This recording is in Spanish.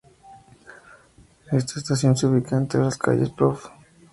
Esta estación se ubica entre las calles "Prof.